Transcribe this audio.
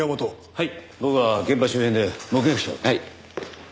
はい。